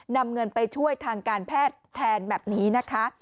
นำเงินไปช่วยทางการแพทย์แทนแบบนี้นะคะ